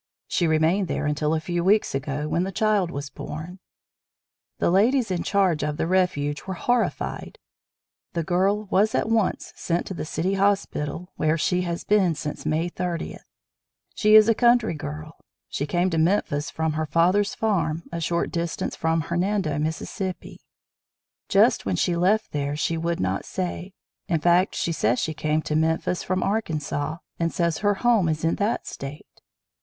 She remained there until a few weeks ago, when the child was born. The ladies in charge of the Refuge were horified. The girl was at once sent to the City Hospital, where she has been since May 30. She is a country girl. She came to Memphis from her fathers farm, a short distance from Hernando, Miss. Just when she left there she would not say. In fact she says she came to Memphis from Arkansas, and says her home is in that State.